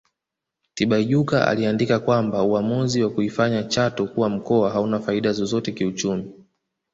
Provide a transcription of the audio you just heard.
Tibaijuka aliandika kwamba uamuzi wa kuifanya Chato kuwa mkoa hauna faida zozote kiuchumi